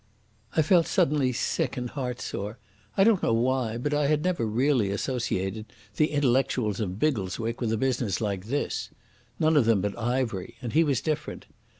I felt suddenly sick and heartsore. I don't know why, but I had never really associated the intellectuals of Biggleswick with a business like this. None of them but Ivery, and he was different.